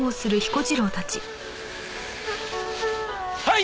はい！